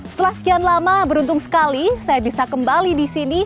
setelah sekian lama beruntung sekali saya bisa kembali di sini